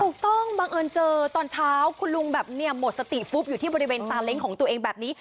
บังเอิญเจอตอนเช้าคุณลุงแบบเนี่ยหมดสติปุ๊บอยู่ที่บริเวณซาเล้งของตัวเองแบบนี้